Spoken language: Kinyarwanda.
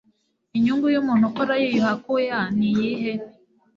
inyungu y'umuntu ukora yiyuha akuya ni iyihe